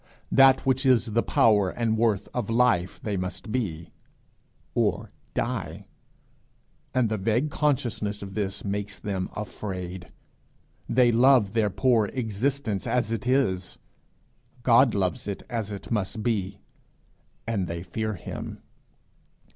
That which is the power and worth of life they must be, or die; and the vague consciousness of this makes them afraid. They love their poor existence as it is; God loves it as it must be and they fear him.